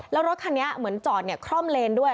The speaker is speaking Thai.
แล้วรถคันนี้เหมือนจอดคล่อมเลนด้วย